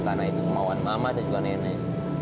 karena itu kemauan mama dan juga nenek